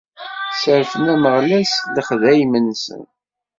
Sserfan Ameɣlal s lexdayem-nsen.